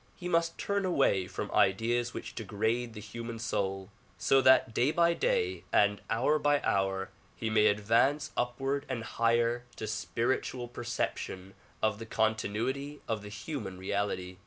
He must turn away from ideas which degrade the human soul, so that day by day and hour by hour he may advance up ward and higher to spiritual perception of the continuity of the human reality.